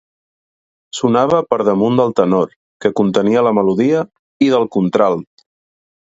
Sonava per damunt del tenor, que contenia la melodia, i del contralt.